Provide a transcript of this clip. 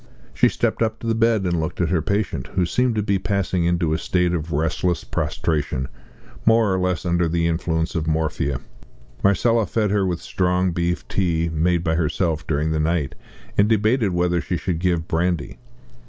She stepped up to the bed and looked at her patient, who seemed to be passing into a state of restless prostration, more or less under the influence of morphia. Marcella fed her with strong beef tea made by herself during the night, and debated whether she should give brandy.